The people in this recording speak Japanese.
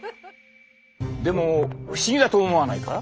でも不思議だと思わないか？